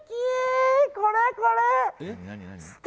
これ、これ。